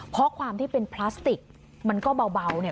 เพราะความที่เป็นพลาสติกมันก็เบาเนี่ย